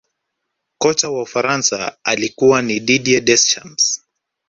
kocha wa ufaransa alikuwa ni didier deschamps